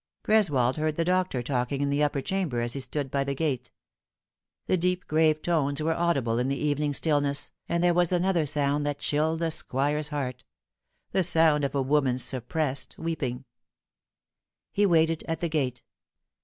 Greswold heard the doctor talking in the upper chamber as he stood by the gate. The deep grave tones were audible in the evening stillness, and there was another sound that chilled the Squire's heart : the sound of a woman's suppressed weep ing. He waited at the gate.